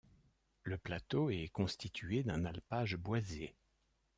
Le plateau est constitué d'un alpage boisé.